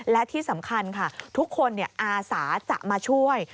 และที่สำคัญค่ะทุกคนอาสาจะมาช่วย